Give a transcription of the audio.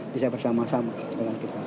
bisa bersama sama dengan kita